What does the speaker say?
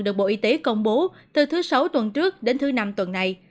được bộ y tế công bố từ thứ sáu tuần trước đến thứ năm tuần này